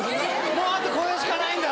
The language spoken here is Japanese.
もうあとこれしかないんだ！